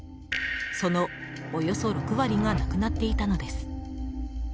そのおよそ６割がなくなっていたのです。